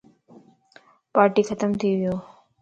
پاٽي ختم ٿي ويو.